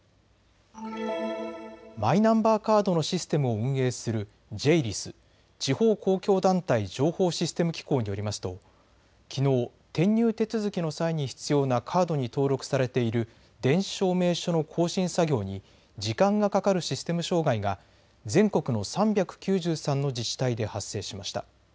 マイナンバーカードのシステムを運営するＪ−ＬＩＳ・地方公共団体情報システム機構によりますときのう転入手続きの際に必要なカードに登録されている電子証明書の更新作業に時間がかかるシステム障害が全国の３９３の自治体で発生しました。